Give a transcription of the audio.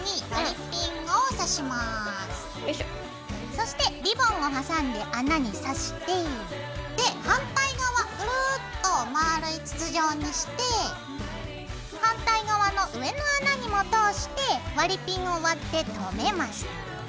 そしてリボンを挟んで穴にさして反対側グルッとまぁるい筒状にして反対側の上の穴にも通して割りピンを割ってとめます。